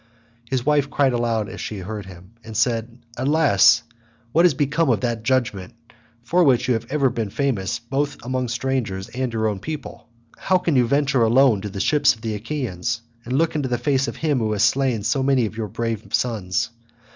His wife cried aloud as she heard him, and said, "Alas, what has become of that judgement for which you have been ever famous both among strangers and your own people? How can you venture alone to the ships of the Achaeans, and look into the face of him who has slain so many of your brave sons?